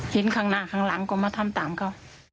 ข้างหน้าข้างหลังก็มาทำตามเขา